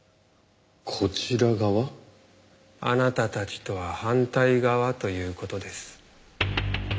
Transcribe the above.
あなたたちとは反対側という事です。